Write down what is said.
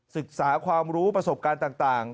ศึกษาความรู้ประสบการณ์ต่าง